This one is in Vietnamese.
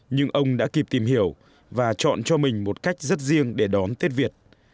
nhưng ông đã kịp tìm hiểu và chọn cho mình một cách rất riêng để đón tết việt